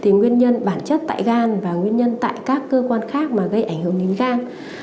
nguyên nhân bản chất tại gan và nguyên nhân tại các cơ quan khác mà gây ảnh hưởng đến gang